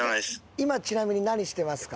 今ちなみに何してますか？